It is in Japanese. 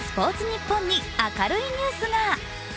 ニッポンに明るいニュースが。